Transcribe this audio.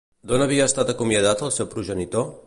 D'on havia estat acomiadat el seu progenitor?